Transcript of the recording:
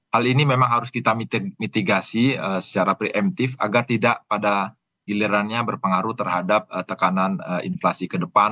hal ini memang harus kita mitigasi secara preemptif agar tidak pada gilirannya berpengaruh terhadap tekanan inflasi ke depan